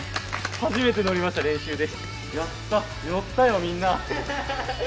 初めてのりました練習で。